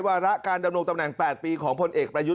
วาระการดำรงตำแหน่ง๘ปีของพลเอกประยุทธ์